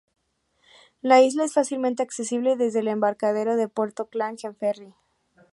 La isla es fácilmente accesible desde el embarcadero de Puerto Klang en ferry.